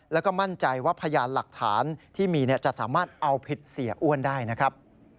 แล้วก็มั่นใจว่าพยานหลักฐานที่มีจะสามารถเอาผิดเสียอ้วนได้นะครับ